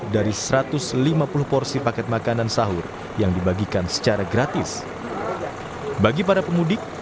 dari satu ratus lima puluh porsi paket makanan sahur yang dibagikan secara gratis bagi para pemudik